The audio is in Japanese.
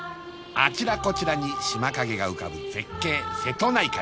あちらこちらに島影が浮かぶ絶景瀬戸内海